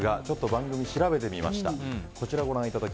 ちょっと番組、調べてみました。